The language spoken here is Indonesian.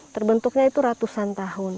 terbentuknya itu ratusan tahun